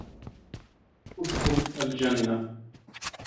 اُدْخُلْ الْجَنَّةَ